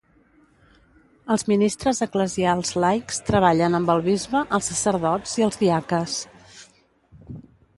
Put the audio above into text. Els ministres eclesials laics treballen amb el bisbe, els sacerdots i els diaques.